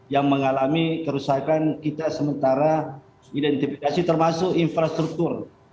yang mengalami kerusakan kita sementara identifikasi termasuk infrastruktur